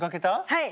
はい！